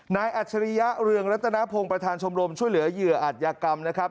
อัจฉริยะเรืองรัตนพงศ์ประธานชมรมช่วยเหลือเหยื่ออาจยากรรมนะครับ